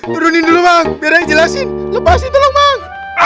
turunin dulu bang biar aja jelasin lepasin tolong bang